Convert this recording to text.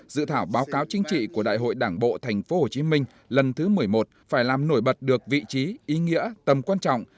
dự thảo báo cáo chính trị của đại hội đảng bộ tp hcm lần thứ một mươi một phải làm nổi bật được vị trí ý nghĩa tầm quan trọng